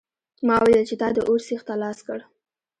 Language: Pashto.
ما ولیدل چې تا د اور سیخ ته لاس کړ